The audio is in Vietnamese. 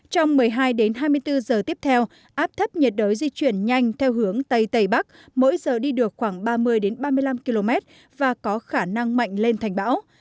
trong một mươi hai hai mươi bốn giờ tiếp theo áp thấp nhiệt đới di chuyển nhanh theo hướng tây tây bắc mỗi giờ đi được khoảng ba mươi ba mươi năm km và có khả năng mạnh lên thành bão